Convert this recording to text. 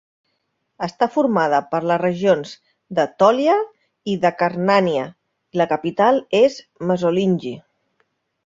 Està formada per les regions d'Etòlia i d'Acarnània, i la capital és Mesolongi.